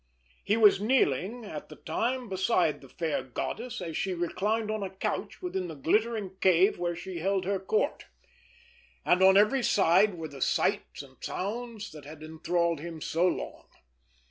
He was kneeling, at the time, beside the fair goddess, as she reclined on a couch within the glittering cave where she held her Court; and on every side were the sights and sounds that had enthralled him so long.